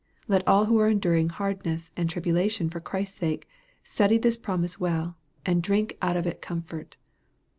Let all who are enduring hardness and tribulation for Christ's sake, study this promise well, and drink out of it comfort.